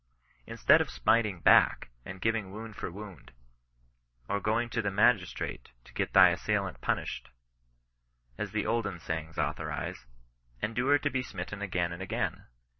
Instead of smiting back and giving wound for wound, of going to the magistrate to get thy assailant punished, as the olden sayings authorize, endure to be smitten again and again.